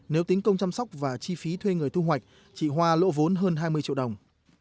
nếu tính công chăm sóc và chi phí thuê người thu hoạch chị hoa lỗ vốn hơn hai mươi triệu đồng